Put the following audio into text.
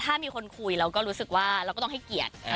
ถ้ามีคนคุยเราก็รู้สึกว่าเราก็ต้องให้เกียรติ